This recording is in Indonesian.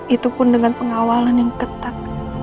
itu pun dengan pengawalan yang ketat